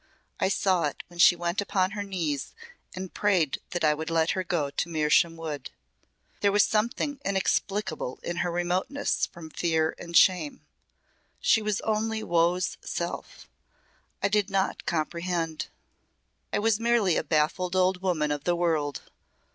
"I saw it when she went upon her knees and prayed that I would let her go to Mersham Wood. There was something inexplicable in her remoteness from fear and shame. She was only woe's self. I did not comprehend. I was merely a baffled old woman of the world.